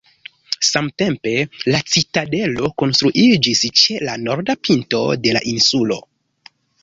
Samtempe la citadelo konstruiĝis ĉe la norda pinto de la insulo.